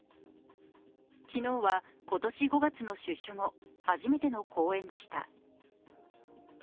昨日は今年５月の出所後、初めての講演でした。